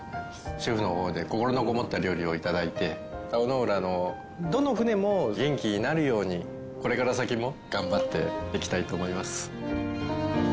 シェフの方で心のこもった料理を頂いて田子の浦のどの船も元気になるようにこれから先も頑張っていきたいと思います。